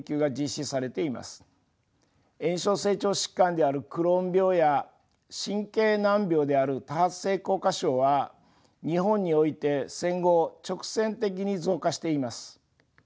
炎症性腸疾患であるクローン病や神経難病である多発性硬化症は日本において戦後直線的に増加しています。